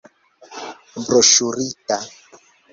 Broŝurita.